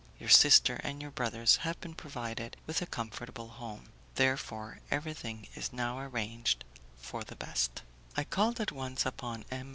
Your sister and your brothers have been provided with a comfortable home; therefore, everything is now arranged for the best." I called at once upon M.